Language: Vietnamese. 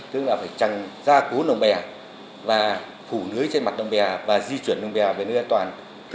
tức là phải trăng ra cố lồng bè và phủ nưới trên mặt lồng bè và di chuyển lồng bè về nước an toàn